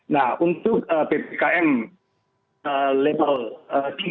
nah untuk ppkm level tiga dan empat